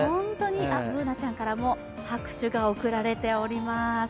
Ｂｏｏｎａちゃんからも拍手が送られております。